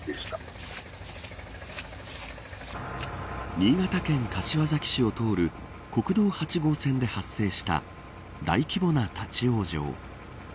新潟県柏崎市を通る国道８号線で発生した大規模な立ち往生。